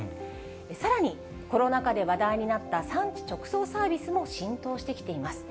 さらに、コロナ禍で話題になった産地直送サービスも浸透してきています。